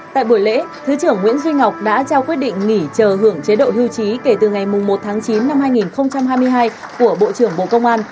cuối lễ thứ trưởng nguyễn duy ngọc đã trao quyết định nghỉ chờ hưởng chế độ hưu trí kể từ ngày một chín hai nghìn hai mươi hai của bộ trưởng bộ công an